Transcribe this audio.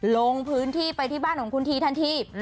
ลงพื้นที่ไปที่บ้านของคุณทีทันที